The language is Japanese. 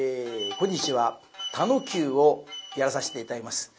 今日は「田能久」をやらさして頂きます。